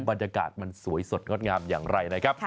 บรรยากาศมันสวยสดงดงามอย่างไรนะครับ